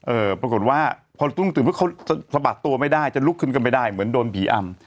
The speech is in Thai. เอ่อปรากฏว่าเพราะธุ้งตื่นเขาซะบัดตัวไม่ได้จะลุกขึ้นกันไม่ได้เหมือนโดนผีอ้ำ